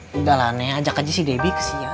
sudahlah nenek ajak aja si debbie kesian